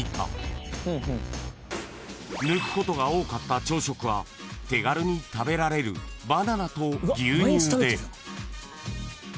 ［抜くことが多かった朝食は手軽に食べられるバナナと牛乳で］